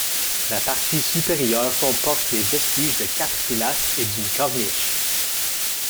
La partie supérieure comporte les vestiges de quatre pilastres et d'une corniche.